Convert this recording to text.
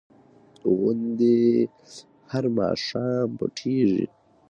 غوندې هر ماښام پټېږي.